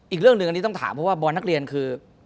อีกเรื่องหนึ่งอันนี้ต้องถามเพราะว่าบอลนักเรียนคือ